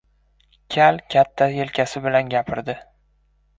Kal katta yelkasi bilan gapirdi: